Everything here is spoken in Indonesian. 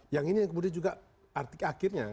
yang ini kemudian juga arti akhirnya